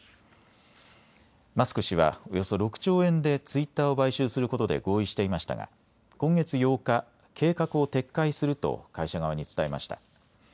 マスク氏はおよそ６兆円でツイッターを買収することで合意していましたが今月８日、計画を撤回すると会社側に伝えました。